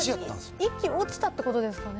１機落ちたってことですかね。